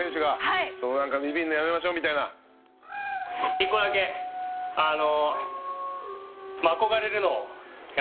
一個だけあの。